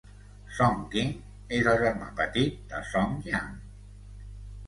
Song Qing és el germà petit de Song Jiang.